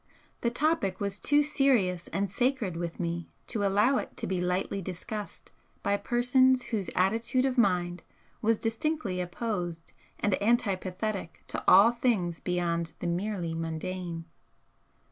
The topic was too serious and sacred with me to allow it to be lightly discussed by persons whose attitude of mind was distinctly opposed and antipathetic to all things beyond the merely mundane.